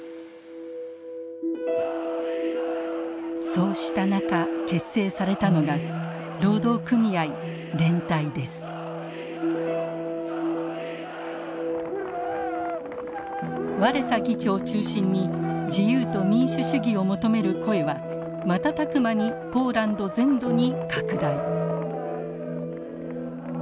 そうした中結成されたのがワレサ議長を中心に自由と民主主義を求める声は瞬く間にポーランド全土に拡大。